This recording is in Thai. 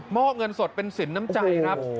อกเงินสดเป็นสินน้ำใจครับ